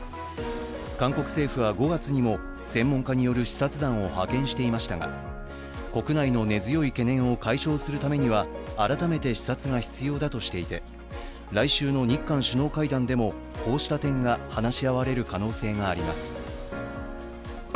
韓国政府は５月にも、専門家による視察団を派遣していましたが国内の根強い懸念を解消するためには、改めて視察が必要だとしていて来週の日韓首脳会談でもこうした点が話し合われる可能性があります。